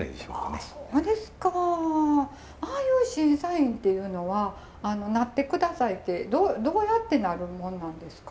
あそうですか。ああいう審査員っていうのはなって下さいってどうやってなるものなんですか？